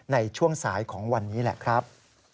ในช่วงสายของวันนี้แหละครับ